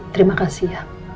terima kasih ya